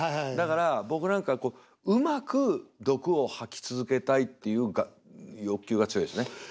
だから僕なんかうまく毒を吐き続けたいっていう欲求が強いですね。